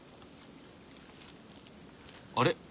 あれ？